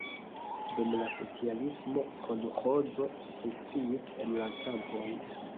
Dum la socialismo kolĥozo funkciis en la kampoj.